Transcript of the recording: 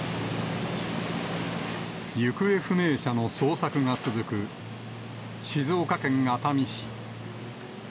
行方不明者の捜索が続く静岡県熱海市。